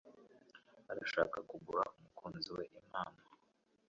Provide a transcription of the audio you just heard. Arashaka kugura umukunzi we impano.